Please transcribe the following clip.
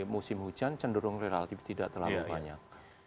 musim hujan cenderung relatif tidak terlalu banyak